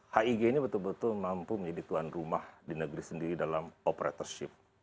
hig ini betul betul mampu menjadi tuan rumah di negeri sendiri dalam operatorship